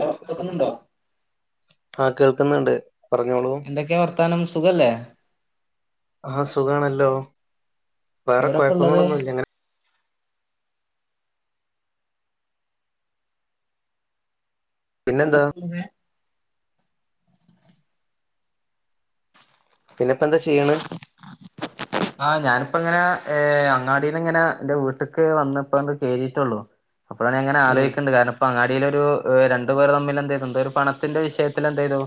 Hello കേൾക്കുന്നുണ്ടോ? ആഹ് കേൾക്കുന്നുണ്ട് പറഞ്ഞോളൂ. എന്തൊക്കെയാ വർത്താനം സുഖല്ലെ? ആഹ് സുഖാണല്ലോ വേറെ എവിടെപ്പള്ളത് കുഴപ്പങ്ങളൊന്നുല്ല ഇങ്ങനെ പിന്നെന്താ? പിന്നെ ഇപ്പ എന്താ ചെയ്യണ്? ആഹ് ഞാനിപ്പ ഇങ്ങനെ ഏഹ് അങ്ങാടിന്ന് ഇങ്ങനെ എന്റെ വീട്ടിക്ക് വന്നിപ്പോ ആണ്ട് കേറിട്ടുള്ളു. അപ്പോഴാണ് ഞാൻ ങ്ങന ഉം ആലോയ്ക്ക്ണ്ട് കാരണം പാടിയിലൊരു രണ്ടു പേർ തമ്മിൽ എന്തേ എന്തെ ഒരു പണത്തിന്റെ വിഷയത്തിൽ എന്തെയ്തു?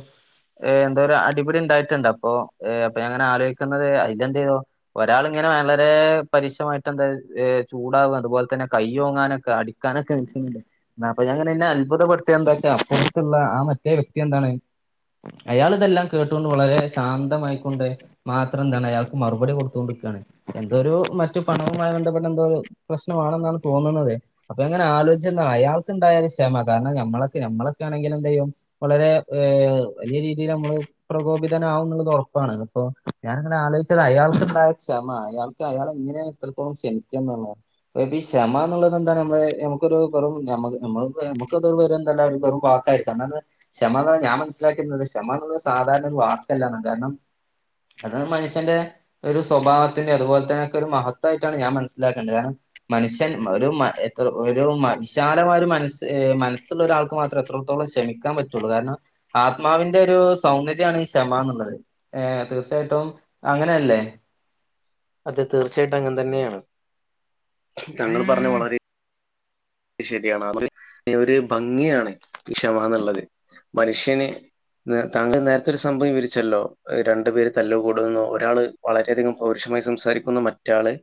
ഏഹ് എന്തോര് അടിപിടി ഉണ്ടായിട്ടുണ്ട് ഏഹ് അപ്പോ ഞാൻ ഇങ്ങനെ ആലോയിക്കുന്നത് അതെന്തേയ്തു ഒരാൾ ഇങ്ങനെ വളരെ പരിഷമായിട്ട് എന്താ ചൂടാവും അതുപോലെ തന്നെ കൈയൊങ്ങാനൊക്കെ അടി ക്കാനൊക്കെ നിൽക്കിണ്ട്. ന്താ പ്പോ ഞാ ഇങ്ങനെ ഇന്ന അത്ഭുതപ്പെടുത്തിയ എന്താ വച്ചാ അപ്പുറത്തുള്ള ആ മറ്റേ വ്യക്തി എന്താണ് അയാൾ ഇതെല്ലാം കേട്ടു കൊണ്ട് വളരെ ശാന്തമായിക്കൊണ്ട് മാത്രം എന്താണ് അയാൾക്ക് മറുപടി കൊടു ത്തോണ്ടിക്കാണ് എന്തോരു മറ്റു പണവുമായി ബന്ധപ്പെട്ട എന്തോരു പ്രശ്നമാണെന്നാണ് തോന്നണത്. അപ്പൊ ഞാൻ ഇങ്ങനെ ആലോചിച്ച അയാൾക്ക് ഉണ്ടായ ഒരു ക്ഷമ കാരണം നമ്മളൊക്കെ നമ്മളൊക്കെ ആണെങ്കിൽ എന്തെയ്യും വളരെ ഏഹ് വലിയ രീതിയില് അമ്മള് പ്രകോപിതനാവുനുള്ളത് ഉറപ്പാണ് അപ്പൊ ഞാൻ ഇങ്ങനെ ആലോചിച്ചത് അയാൾക്ക് ണ്ടായ ക്ഷമ അയാൾക്ക് അയാളെ എന്തിനാണ് എത്രത്തോളം ക്ഷമിക്കാന്ന് ഉള്ളതാണ്. ഒരു ക്ഷമ എന്നുള്ളത് എന്താണ് നമ്മള് നമുക്കൊരു [unintelligible] എന്തല്ലാം വെറും വാക്കാര്. ക്ഷമ എന്നുള്ളെ ഞാൻ മനസ്സിലാക്കുന്നത് ക്ഷമ എന്നുള്ളെ സാധാരണ ഒരു വാക്കല്ലാന്നാണ് കാരണം അത് മനുഷ്യന്റെ ഒരു സ്വഭാവത്തിന്റെ അതുപോലെ തന്നെ ഒക്കെ ഒരു മഹതായിട്ടാണ് ഞാൻ മനസ്സിലാക്കേണ്ടത് കാരണം മനുഷ്യൻ ഒരു മ എത്ര ഒരു മ വിശാലമായ ഒരു മനസ് മനസ്സുള്ള ഒരാൾക്ക് മാത്രം എത്രത്തോളം ക്ഷമിക്കാൻ പറ്റുള്ളൂ കാരണം ആത്മാവിന്റെ ഒരു സൗന്ദര്യമാണ് ഈ ക്ഷമ എന്നുള്ളത്. ഏ ഹ് തീർച്ചയായിട്ടും അങ്ങനല്ലേ? അതെ തീർച്ചയായിട്ടും അങ്ങൻ തന്നെയാണ് തങ്ങൾ പറഞ്ഞ വളരെ ശരിയാണ് അ ഒരു ഭംഗിയാണ് ഈ ക്ഷമന്നുള്ളത് മനുഷ്യന് താങ്കൾ നേരത്തെരു സംഭവം വിരിച്ചല്ലോ രണ്ടു പേര് തല്ല് കൂടുന്നു ഒരാള് വളരെയധികം പൗരുഷമായി സംസാരിക്കുന്ന മറ്റാള്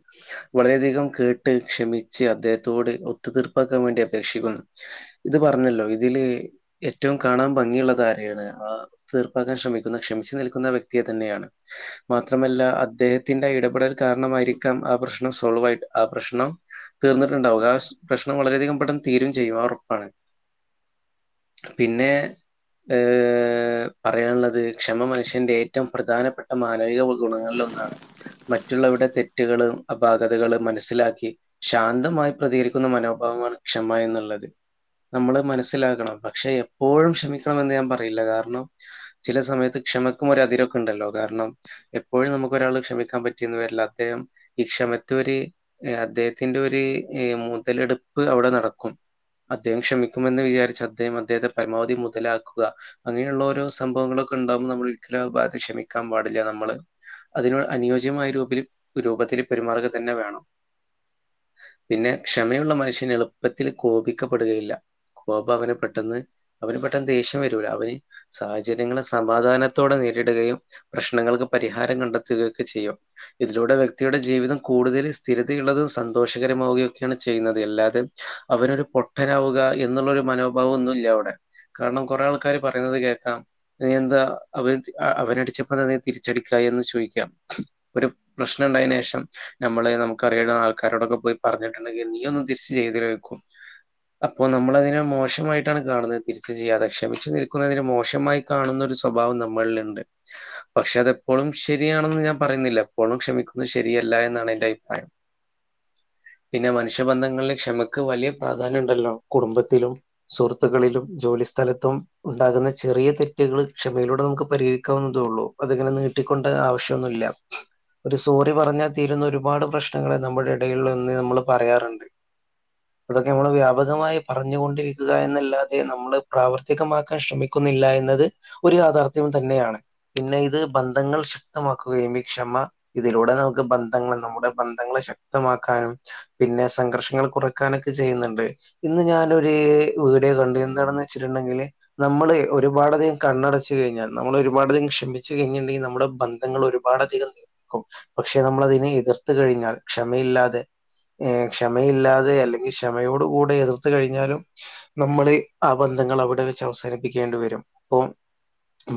വളരെയധികം കേട്ട് ക്ഷമിച്ച് അദ്ദേഹത്തോട് ഒത്തുതീർപ്പാക്കാൻ വേണ്ടി അപേക്ഷിക്കുന്നു ഇത് പറഞ്ഞല്ലോ ഇതില് ഏറ്റവും കാണാൻ ഭങിയുള്ളത് ആരെയാണ് ആഹ് തീർപ്പാക്കാൻ ശ്രമിക്കുന്ന ക്ഷമിച്ചു നിൽക്കുന്ന വ്യക്തിയെ തന്നെയാണ് മാത്രമല്ല അദ്ദേഹത്തിന്റെ ഇടപെടൽ കാരണമായിരിക്കാം ആ പ്രശ്നം സോൾവയിട്ട് ആ പ്രശ്നം തീർന്നിട്ടുണ്ടാവുക ആ പ്രശ്നം വളരെയധികം പെട്ടെന്ന് തീരയും ചെയ്യും ആ ഉറപ്പാണ് പിന്നെ ഏഹ്. പറയാനുള്ളത് ക്ഷമ മനുഷ്യന്റെ ഏറ്റവും പ്രധാനപ്പെട്ട മാനവിക ഗുണങ്ങളിൽ ഒന്നാണ് മറ്റുള്ളവരുടെ തെറ്റുകളും അപാകതകും മനസ്സിലാക്കി ശാന്തമായി പ്രതികരി ക്കുന്ന മനോഭാവമാണ് ക്ഷമ എന്നുള്ളത് നമ്മള് മനസ്സിലാക്കണം പക്ഷെ എപ്പോഴും ക്ഷമിക്കണംമെന്ന് ഞാൻ പറയില്ല കാരണം ചില സമയത്ത് ക്ഷമക്കും ഒര അതിരെക്കെ ഉണ്ടല്ലോ കാരണം എപ്പോഴും നമുക്ക് ഒരാൾ ക്ഷമിക്കാൻ പറ്റിയന്ന് വരില്ല അദ്ദേഹം ഈ ക്ഷമത്തൊര് അദ്ദേഹത്തിന്റെ ഒരു മുതലെടുപ്പ് അവിടെ നടക്കും അദ്ദേഹം ക്ഷമിക്കുമെന്ന് വിചാരിച്ച അദ്ദേഹം അദ്ദേഹത്തെ പരമാവധി മുതലാക്കുക അങ്ങനെയുള്ളൊരോ സംഭവങ്ങളൊക്കെ ഉണ്ടാവ്മ്പോ നമ്മൾ ഒരിക്കലും ഭാഗത്ത് ക്ഷമിക്കാൻ പാടില്ല നമ്മള് അതിനോട് അനുയോജ്യമായ ഗ്രൂപ്പില് രൂപത്തില് പെരുമാറുക തന്നെ വേണം പിന്നെ ക്ഷമയുള്ള മനുഷ്യൻ എളുപ്പത്തിൽ കോപിക്കപ്പെടുകയില്ല കോപ അവന് പെട്ടെന്ന് അവന് പെട്ടെന്ന് ദേഷ്യം വരൂല അവന് സാഹചര്യങ്ങളെ സമാധാനത്തോടെ നേരിടുകയും പ്രശ്നങ്ങൾക്ക് പരിഹാരം കണ്ടെത്തുകയൊക്കെ ചെയ്യാം ഇതിലൂടെ വ്യക്തിയുടെ ജീവിതം കൂടുതൽ സ്ഥിരതയുള്ളതും സന്തോഷകരമാവുകയും [unintelligible] ണ് ചെയ്യുന്നത് അല്ലാതെ അവനൊരു പൊട്ടനാവുക എന്നുള്ളൊരു മനോഭാവം ഒന്നുല്ല അവിടെ കാരണം കൊറേ ആൾക്കാര് പറയുന്നത് കേൾക്കാം നീ എന്താ അവന് അവനടിച്ചപ്പോ അത് നീ തിരിച്ചടിക്കായി എന്ന് ചോയിക്കാം ഒരു പ്രശ്നം ഉണ്ടായേന് ശേഷം നമ്മള് നമുക്ക് അറിയുന്ന ആൾക്കാരോടൊക്കെ പോയി പറഞ്ഞ് അല്ലെങ്കിൽ നീ ഒന്ന് തിരിച്ച് ചെയ്തിലേന്ന് വക്കും അപ്പോ നമ്മള് അതിനെ മോശമായിട്ടാണ് കാണുന്നത് തിരിച്ച് ചെയ്യാതെ ക്ഷമിച്ചു നിൽക്കുന്നതിനെ മോശമായി കാണുന്ന ഒരു സ്വഭാവം നമ്മളില്ണ്ട് പക്ഷെ അതെപ്പോളും ശരിയാണെന്ന് ഞാൻ പറയുന്നില്ല എപ്പോളും ക്ഷമിക്കുന്നത് ശരിയല്ല എന്നാണ് എന്റെ അഭിപ്രായം പിന്നെ മനുഷ്യബന്ധങ്ങളിലെ ക്ഷമക്ക് വലിയ പ്രാധാന്യം ഉണ്ടല്ലോ കുടുംബത്തിലും സുഹൃത്തുക്കളിലും ജോലിസ്ഥലത്തും ഉണ്ടാകുന്ന ചെറിയ തെറ്റുകൾ ക്ഷമയിലൂടെ നമുക്ക് പരിഹരിക്കാവുന്നതേ ഉള്ളൂ അതങ്ങനെ നീ കിട്ടിക്കൊണ്ട് ആവശ്യന്നുല്ല ഒരു സോറി പറഞ്ഞാ തീരുന്ന ഒരുപാട് പ്രശ്നങ്ങളെ നമ്മുടെ ഇടയിൽ ഉള്ളത് എന്ന് നമ്മള് പറയാറുണ്ട് അതൊക്കെ നമ്മൾ വ്യാപകമായി പറഞ്ഞുകൊണ്ടിരിക്കുക എന്നല്ലാതെ നമ്മള് പ്രാവർത്തികമാക്കാൻ ശ്രമിക്കുന്നില്ല എന്നത് ഒരു യാഥാർത്ഥ്യം തന്നെയാണ് പിന്നെ ഇത് ബന്ധങ്ങൾ ശക്തമാക്കുകയും ഈ ക്ഷമ ഇതിലൂടെ നമുക്ക് ബന്ധങ്ങൾ നമ്മുടെ ബന്ധങ്ങളെ ശക്തമാക്കാനും പിന്നെ സംഘർഷങ്ങൾ കുറക്കാനൊക്കെ ചെയ്യുന്ന്ണ്ട് ഇന്ന് ഞാനൊര് വീഡിയോ കണ്ടു എന്താണെന്ന് വെച്ചിട്ടുണ്ടെങ്കില് നമ്മള് ഒരുപാട് അധികം കണ്ണടച്ച് കഴിഞ്ഞാൽ നമ്മൾ ഒരുപാട് അധികം ക്ഷമിച്ചു കഴിഞ്ഞിട്ടുണ്ടെങ്കിൽ നമ്മുടെ ബന്ധങ്ങൾ ഒരു പാട് അധികം നിൽക്കും പക്ഷെ നമ്മള അതിനെ എതിർത്ത് കഴിഞ്ഞാൽ ക്ഷമയില്ലാതെ ഏ ക്ഷമയില്ലാതെ അല്ലെങ്കി ക്ഷമയോട് കൂടെ എതിർത്ത് കഴിഞ്ഞാലും നമ്മള് ആ ബന്ധങ്ങൾ അവിടെ വെച്ച് അവസാനിപ്പിക്കേണ്ടി വരും അപ്പൊ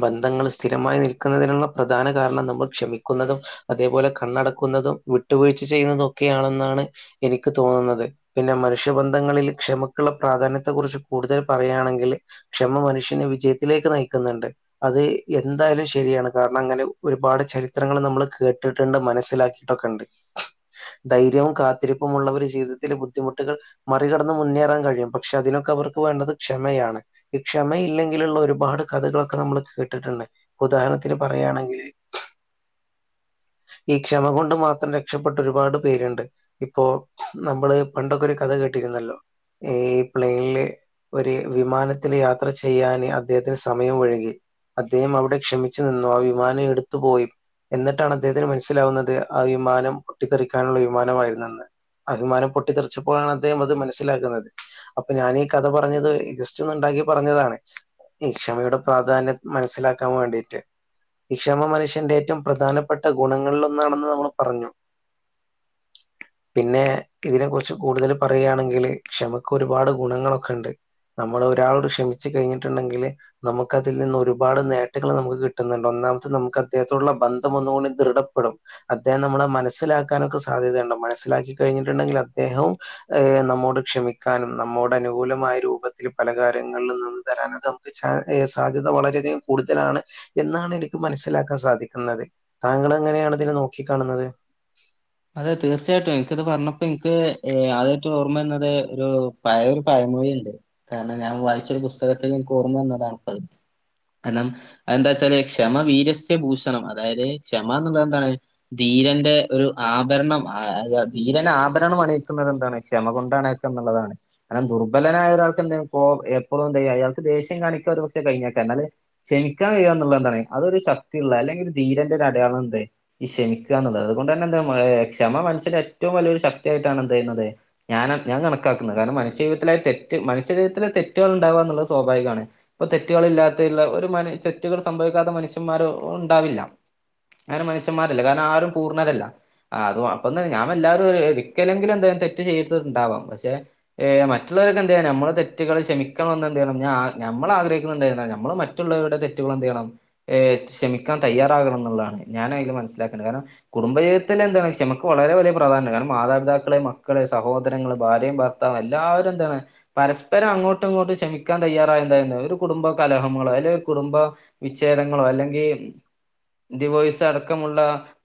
ബന്ധങ്ങൾ സ്ഥിരമായി നിൽക്കുന്നതിനുള്ള പ്രധാന കാരണം നമ്മൾ ക്ഷമിക്കുന്നതും അതേപോലെ കണ്ണടക്കുന്നതും വിട്ടുവീഴ്ച ചെയ്യുന്നതും ഒക്കെയാണെന്നാണ് എനിക്ക് തോന്നുന്നത് പിന്നെ മനുഷ്യ ബന്ധങ്ങളിൽ ക്ഷമക്കുള്ള പ്രാധാന്യത്തെ കുറിച്ച് കൂടുതൽ പറയാണെങ്കിൽ ക്ഷമ മനുഷ്യനെ വിജയത്തിലേക്ക് നയിക്കുന്നുണ്ട് അത് എന്തായാലും ശരിയാണ് കാരണം അങ്ങനെ ഒരുപാട് ചരിത്രങ്ങൾ നമ്മള് കേട്ടിട്ടുണ്ട് മനസ്സിലാക്കിയിട്ടൊക്കെ ഒണ്ട് ധൈര്യവും കാത്തിരിപ്പുമുള്ളവര് ജീവിതത്തിലെ ബുദ്ധിമുട്ടുകൾ- മറികടന്ന് മുന്നേറാൻ കഴിയും പക്ഷെ അതിനൊക്കെ അവർക്ക് വേണ്ടത് ക്ഷമയാണ് ഈ ക്ഷമ ഇല്ലെങ്കിലുള്ള ഒരുപാട് കഥകളൊക്കെ നമ്മള് കേട്ടിട്ടുണ്ട് ഉദാഹരണത്തിന് പറയാണെങ്കില്- ഈ ക്ഷമ കൊണ്ട് മാത്രം രക്ഷപ്പെട്ട ഒരുപാട് പേരുണ്ട് ഇപ്പോ നമ്മള് പണ്ടൊക്കെ ഒരു കഥ കേട്ടിരുന്നല്ലോ ഈ പ്ലെനില്- ഒരു വിമാനത്തില് യാത്ര ചെയ്യാന് അദ്ദേഹത്തിന് സമയം വഴുകി അദ്ദേഹം അവിടെ ക്ഷമിച്ച് നിന്നു ആ വിമാനം എടുത്ത് പോയി എന്നിട്ടാണ് അദ്ദേഹത്തിന് മനസ്സിലാവുന്നത് ആ വിമാനം പൊട്ടിത്തെറിക്കാനുള്ള വിമാനമായിരുന്നു എ ന്ന് ആ വിമാനം പൊട്ടിത്തെറിച്ചപ്പോളാണ് അദ്ദേഹം അത് മനസ്സിലാക്കുന്നത് അപ്പൊ ഞാന് ഈ കഥ പറഞ്ഞത് ജസ്റ്റ് ഒന്ന് ഒണ്ടാക്കി പറഞ്ഞതാണ് ഈ ക്ഷമയുടെ പ്രാധാന്യം മനസ്സിലാക്കാൻ വേണ്ടിയിട്ട് ഈ ക്ഷമ മനുഷ്യന്റെ ഏറ്റവും പ്രധാനപ്പെട്ട ഗുണങ്ങളിൽ ഒന്നാണെന്ന് നമ്മള് പറഞ്ഞു പിന്നെ ഇതിനെ കുറിച്ച് കൂടുതല് പറയുകയാണെങ്കില് ക്ഷമക്ക് ഒരുപാട് ഗുണങ്ങളൊക്കെ ഒണ്ട് നമ്മള് ഒരാളോട് ക്ഷമിച്ചു കഴിഞ്ഞിട്ടുണ്ടെങ്കില്- നമുക്ക് അതിൽ നിന്ന് ഒരുപാട് നേട്ടങ്ങൾ നമുക്ക് കിട്ടുന്നുണ്ട് ഒന്നാമത്തെ നമുക്ക് അദ്ദേഹത്തോടുള്ള ബന്ധം ഒന്നുകൂടി ദൃഢപ്പെടും അദ്ദേഹം നമ്മളെ മനസ്സിലാക്കാനൊക്കെ സാധ്യതയുണ്ട് മനസ്സിലാക്കി കഴിഞ്ഞിട്ടുണ്ടെങ്കിൽ അദ്ദേഹവും- ഏഹ് നമ്മോട് ക്ഷമിക്കാനും നമ്മോട് അനുകൂലമായ രൂപത്തില് പല കാര്യങ്ങളിൽ നിന്ന് [unintelligible] സാധ്യത വളരെയധികം കൂടുതലാണ് എന്നാണ് എനിക്ക് മനസ്സിലാക്കാൻ സാധിക്കുന്നത് താങ്കൾ എങ്ങനെയാണ് ഇതിനെ നോക്കി കാണുന്നത് അതെ തീർച്ചയായിട്ടും എനിക്കത് പറഞ്ഞപ്പോ എനിക്ക് ആദ്യായിട്ട് ഓർമ്മന്നത് ഒരു പഴയ ഒരു പഴമൊഴിയിണ്ട് കാരണം ഞാൻ വായിച്ചൊരു പുസ്തകത്തിന്ന് എനിക്ക് ഓർമ്മ വന്നതാണ് ഇപ്പ [unintelligible] അത് എന്താ വെച്ചാല് ക്ഷമ വീരസ്യ ഭൂഷണം അതായത് ക്ഷമാന്നുള്ളത് എന്താണ്- ധീരന്റെ ഒരു- ആഭരണം ധീരന് ആഭരണം അണിയിക്കുന്നത് എന്താണ് ക്ഷമ കൊണ്ടാണ് എന്നുള്ളതാണ് കാരണം ദുർബലനായ ഒരാൾക്ക് എന്താ ഇപ്പോ എപ്പോഴും എന്ത്‌ ചെയ്യാം അയാൾക്ക് ദേഷ്യം കാണിക്കും ഒരു പക്ഷെ കഴിഞ്ഞേക്കാം എന്നാല്- ക്ഷമിക്കാൻ കഴിയുകാന്നുള്ളത് എന്താണ് അതൊരു ശക്തിയുള്ള അല്ലെങ്കിൽ ഒരു ധീരന്റെ ഒരു അടയാളം എന്തേ- ഈ ക്ഷമിക്കുകാന്നുള്ളത് അതുകൊണ്ട് തന്നെ എന്താ ക്ഷമ മനസ്സിന്റെ ഏറ്റവും വലിയൊരു ശക്തിയായിട്ടാണ് എന്തെയ്യുന്നത് ഞാൻ ഞാൻ കണക്കാക്കുന്നത് കാരണം മനുഷ്യജീവിതത്തിലെ തെറ്റ് മനുഷ്യജീവിതത്തില തെറ്റ്കള് ഇണ്ടാവുക എന്നുള്ളത് സ്വാഭാവികമാണ് ഇപ്പൊ തെറ്റുകൾ ഇല്ലാത്തുള്ള ഒരു മനു തെറ്റുകൾ സംഭവിക്കാത്ത മനുഷ്യന്മാര് ഉണ്ടാവില്ല അങ്ങനെ മനുഷന്മാരല്ലേ കാരണം ആരും പൂർണ്ണരല്ല ആഹ് അതും അപ്പൊ തന്നെ ഞാനും എല്ലാവരും ഒരിക്കലെങ്കിലും എന്തായാലും തെറ്റ് ചെയ്തിട്ടുണ്ടാവാം പക്ഷെ- ഏഹ് മറ്റുള്ളവർക്ക് എന്ത്‌ ചെയ്യാനാ നമ്മള് തെറ്റ്കള് ക്ഷമിക്കണമെന്ന് എന്തെയ്യണം ഞാ ഞമ്മൾ ആഗ്രഹിക്കുന്ന എന്താ നമ്മള്- മറ്റുള്ളവരുടെ തെറ്റുകൾ എന്ത് ചെയ്യണം ഏഹ് ക്ഷമിക്കാൻ തയ്യാറാകണം എന്നുള്ളതാണ് ഞാൻ അതില് മനസ്സിലാക്കേണ്ടത് കാരണം കുടുംബ ജീ ജീവിതത്തി [unintelligible] ലെന്താണ് ക്ഷമക്ക് വളരെ വലിയ പ്രധാനം കാരണം മാതാപിതാക്കളെ മക്കളെ സഹോരങ്ങള് ഭാര്യയും ഭർ ഭർത്താവ് എല്ലാവരും എന്താണ്- പരസ്പരം അങ്ങോട്ടും ഇങ്ങോട്ടും ക്ഷമിക്കാൻ തയ്യാറായാൽ എന്തായിരുന്നു ഒരു കുടുംബ കലഹങ്ങളോ അല്ലേ കുടുംബ വിച്ഛേദങ്ങളോ അല്ലെങ്കി ഡിവോയ്സ് അടക്കമുള്ള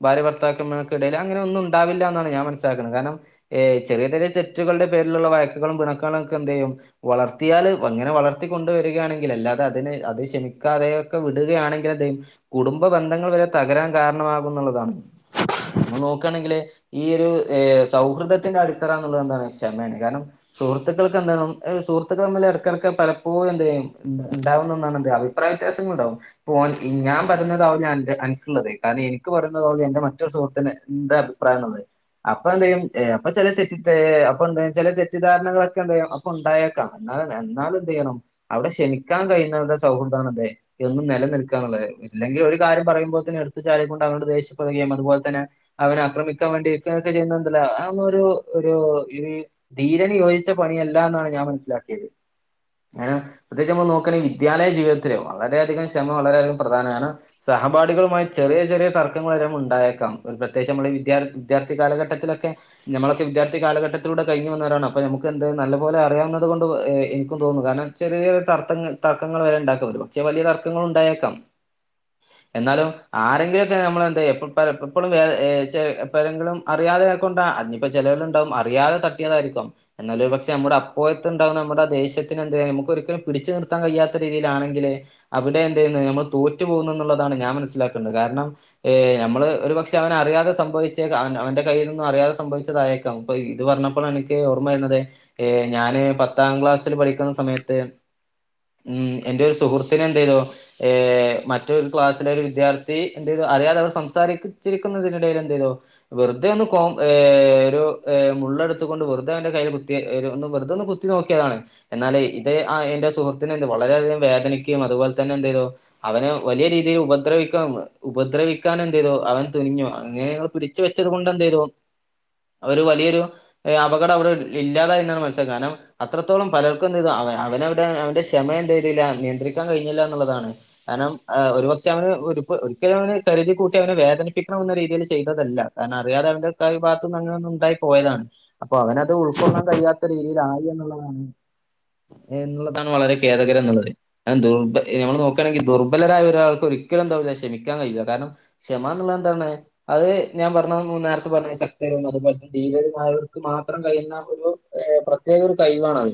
ഭാര്യഭർത്താക്കമ്മാ ക്കിടയിൽ അങ്ങനൊന്നും ഉണ്ടാവില്ല എന്നാണ് ഞാൻ മനസിലാക്കണത് കാരണം- ഏഹ് ചെറിയ ചെറിയ തെറ്റുകളുടെ പേരിലുള്ള വഴക്കുകളും പിണക്കങ്ങളും ഒക്കെ എന്തെയ്യും- വളർത്തിയാല് അങ്ങനെ വളർത്തി കൊണ്ട് വരികയാണെങ്കിൽ അല്ലാതെ അതിന് അത് ക്ഷമിക്കാതെയൊക്കെ വിടുകയാണെങ്കിൽ എന്ത് ചെയ്യും കുടുംബ ബന്ധങ്ങള് വരെ തകരാൻ കാരണമാകുന്നുള്ളതാണ് നമ്മള് നോക്കുകയാണെങ്കില് ഈയൊരു സൗഹൃദത്തിന്റെ അടിത്തറ എന്നുള്ളത് എന്താണ് ക്ഷമയാണ് കാരണം- സുഹൃത്തുക്കൾക്ക് എന്താണ് സുഹൃത്തുക്കൾ തമ്മില് എടക്കെടയ്ക്ക് പലപ്പോഴും എന്തെയ്യും- ഇണ്ടാവുന്ന ഒന്നാണ് എന്ത് അഭിപ്രായ വ്യത്യാസങ്ങൾ ഇണ്ടാവും ഇപ്പൊ ഓൻ ഞാൻ പറയുന്നതാവില്ല അനിക്കുള്ളത് കാരണം എനിക്ക് പറയുന്നതാവല്ല എന്റെ- ഉറ്റ സുഹൃത്തിന് എന്റെ അഭിപ്രായം ആണ് ഉള്ളത് അപ്പൊ എന്തെയ്യും ഏ അപ്പൊ ചെല തെറ്റി ഏ അപ്പ എന്ത ചെല തെറ്റിദ്ധാരണകളൊക്കെ എന്തെയ്യും ഉണ്ടായേക്കാം എന്ന എന്നാലുന്തെയ്യണം അവിടെ ക്ഷമിക്കാൻ കഴിയുന്നവരുടെ സൗഹൃതാണ്തേ എന്നും നിലനിൽക്കാന്ന്ള്ളത് ഇല്ലെങ്കി ഒരു കാര്യം പറയുമ്പോത്തിന് എടുത്ത് ചാടി കൊണ്ട് അങ്ങട് ദേഷ്യപ്പെടുകയും അതുപോലെ തന്നെ അവരെ ആക്രമിക്കാൻ വേണ്ടി ഒക്കേ ചെയ്യുന്നോറുണ്ടല്ലോ അതൊന്നും ഒരു ഒരു ഈ ധീരന് യോജിച്ച പണിയല്ലാന്നാണ് ഞാൻ മനസ്സിലാക്കിയത് അങ്ങന പ്രത്യേകിച്ചമ്മള് നോക്കുകയാണെങ്കില് വിദ്യാലയ ജീവിതത്തില് വളരെയധികം ക്ഷമ വളരെയധികം പ്രധാനമാണ് കാരണം സഹപാഠികളുമായി ചെറിയ ചെറിയ തർക്കങ്ങൾ വര മുണ്ടായി രിക്കാം പ്രത്യകിച്ച് നമ്മള് വിദ്യാർ വിദ്യാർത്ഥി കാലഘട്ടത്തിലൊക്കെ ഞമ്മളൊക്കെ വിദ്യാർത്ഥി കാലഘട്ടത്തിലൂടെ കഴിഞ്ഞു വന്നവരാണ് അപ്പ ഞമുക്ക് എന്ത് നല്ലപോലെ അറിയാവുന്നത് കൊണ്ട് ഏ എനിക്കും തോന്നും കാരണം ചെറിയ ചെറിയ തർത്തങ്ങൾ തർക്കങ്ങൾ വരെ ഉണ്ടാക്ക [unintelligible] പക്ഷേ വലിയ തർക്കങ്ങളും ഉണ്ടായേക്കാം എന്നാലും ആരെങ്കിലുമൊക്കെ ഞമ്മളെ എന്താ എപ്പ പല എപ്പോഴും വേദ ഏ ചില എപ്പോഴെങ്കിലും അിയതെയക്കൊണ്ടാ ന്നീ അതിനിയിപ്പോൾ ചിലവര് ഉണ്ടാകും അറിയാതെ തട്ടിയതായിരിക്കും എന്നാലൊരു പക്ഷേ നമ്മുടെ അപ്പോഴത്തെണ്ടാകുന്ന നമ്മുടെ ആ ദേഷ്യത്തിന് എന്തെ നമുക്ക് ഒരിക്കലും പിടിച്ചു നിർത്താൻ കഴിയാത്ത രീതിയിലാണെങ്കില് അവിടെ എന്തേയ്യ്ന്നു നമ്മള് തോറ്റു പോകുന്നു എന്നുള്ളതാണ് ഞാൻ മനസ്സിലാക്കേണ്ടത് കാരണം ഏഹ് നമ്മള് ഒരു പക്ഷേ അവന് അറിയാതെ സംഭവിച്ചേക്കാം. അവന്റെ കയ്യിൽ നിന്നും അറിയാതെ സംഭവിച്ചതായേക്കാം. അപ്പൊ ഇത് പറഞ്ഞപ്പഴാ എനിക്ക് ഓർമ്മ വരുന്നത് ഏഹ് ഞാന് പത്താം ക്ലാസ്സില് പഠിക്കുന്ന സമയത്ത് ഈ എന്റെ ഒരു സുഹൃത്തിന് എന്തേയ്‌തു ഏഹ് മറ്റൊരു ക്ലാസ്സിലെ ഒരു വിദ്യാർത്ഥി എന്ത് ചെയ്തു അറിയാതെ അവൾ സം സംസാരിച്ചിരിക്കുന്നതിനിടൽ എന്ത് ചെയ്തു വെറുതെ ഒന്ന് കോൺ ഏഹ് ഒരു ഏ മുള്ളെടുത്തുകൊണ്ട് വെറുതെ അവന്റെ കയ്യിൽ കുത്തി ഒന്ന് വെറുതെ ഒന്ന് കുത്തി നോക്കിയതാണ് എന്നാലേ ഇത് ആ എന്റെ സുഹൃത്തിന് എന്ത് വളരെയധികം വേദനയ്ക്കുകയും അതുപോൽ തന്നെ എന്തെയ്തു അവന് വലിയ രീതിയില് ഉപദ്രവിക്ക [unintelligible] ഉപദ്രവിക്കാന് എന്ത് ചെയ്തു അവൻ തുനിഞ്ഞു അങ്ങനെ ഞങ്ങള് പിടിച്ച് വെച്ചത് കൊണ്ട് എന്തെയ്തു അവര് വലിയൊരു അപകടം അവിടെ ഇല്ലാതായിന്നാ മനസ്സിലാക്കണ്ടേ കാരണം അത്രത്തോളം പലർക്കും എന്തേയ്‌തു അവ അവനവിടെ അവന്റെ ക്ഷമ എന്ത് ചെയ്തില്ല നിയന്ത്രിക്കാൻ കഴിഞ്ഞില്ല എന്നുള്ളതാണ്. കാരണം ഒരുപക്ഷേ അവന് ഒരു ഒരിക്കലുഅവന്കരുതി കൂട്ടി ട്ടി അവനെ വേദനിപ്പിക്കണമെന്ന രീതിയില് ചെയ്തതല്ല കാരണം അറിയാതെ അവന്റെ ഭാഗത്തുനിന്ന് അങ്ങനെ ഒന്ന് ഉണ്ടായി പോയതാണ്. അപ്പൊ അവനത് ഉൾക്കൊള്ളാൻ കഴിയാത്ത രീതിയിലായി എന്നുള്ളതാണ് എന്നുള്ളതാണ് വളരെ ഖേദകരം എന്നുള്ളത്. അത് ദുർബ നമ്മള് നോക്കുകാണെങ്കില് ദുർബലരായ ഒരാൾക്ക് ഒരിക്കലും എന്താവില്ല ക്ഷമിക്കാൻ കഴിയില്ല കാരണം ക്ഷമാന്നുള്ളത് എന്താണ്? അത് ഞാൻ പറഞ്ഞത് നേരത്തെ പറഞ്ഞ ശക്തരുണ്ട് അതുപോലെ തന്നെ ധീരരുമായവർക്ക് മാത്രം കഴിയുന്ന ഒരു ഏഹ് പ്രത്യേക ഒരു കഴിവാണത്.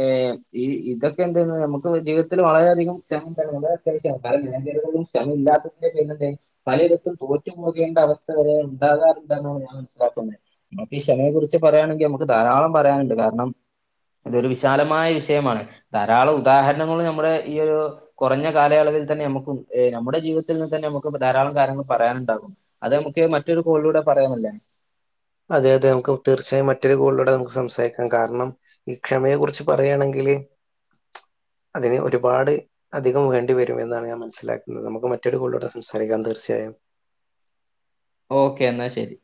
ഏഹ് ഈ ഇതൊക്കെ എന്ത് നമ്മുക്ക് ജീവിതത്തില് വളരെയധികം ശ്രമം [unintelligible] അത്യാവശ്യാ കാരണം [unintelligible] പലയിടത്തും തോറ്റുപോകേണ്ട അവസ്ഥ വരെ ഉണ്ടാകാറുണ്ടെന്നാണ് ഞാൻ മനസ്സിലാക്കുന്നത്. നമ്മക്ക് ഈ ക്ഷമയെ കുറിച്ച് പറയാണെങ്കിൽ നമ്മുക്ക് ധാരാളം പറയാനുണ്ട് കാരണം ഇതൊരു വിശാലമായ വിഷയമാണ് ധാരാളം ഉദാഹരണങ്ങൾ നമ്മുടെ ഈ ഒരു കൊറഞ്ഞ കാലയളവിൽ തന്നെ നമ്മുക്ക് നമ്മുടെ ജീവിതത്തിൽ നിന്ന് തന്നെ നമുക്ക് ധാരാളം കാര്യങ്ങൾ പറയാനുണ്ടാകും. അത് നമുക്ക് മറ്റൊരു കോളിലൂടെ പറയാനല്ലേ അതെ അതെ നമ്മുക്ക് തീർച്ചയായും മറ്റൊരു കോളിലൂടെ നമ്മുക്ക് സംസാരിക്കാം. കാരണം ഈ ക്ഷമയെ കുറിച്ച് പറയാണെങ്കില് അതിന് ഒരുപാട് അധികം വേണ്ടി വരും എന്നാണ് ഞാൻ മനസ്സിലാക്കുന്നത്. നമ്മുക്ക് മറ്റൊരു കോളിലൂടെ സംസാരിക്കാം തീർച്ചയായും ഓക്കെ എന്നാ ശരി.